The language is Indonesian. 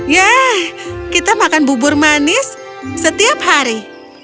ya kita makan bubur manis setiap hari